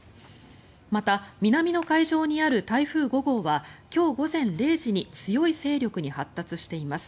また、南の海上にある台風５号は今日午前０時に強い勢力に発達しています。